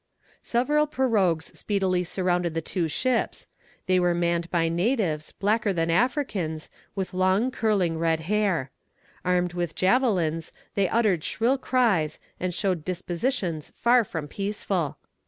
Several pirogues speedily surrounded the two ships. They were manned by natives, blacker than Africans, with long curling red hair. Armed with javelins, they uttered shrill cries, and showed dispositions far from peaceful.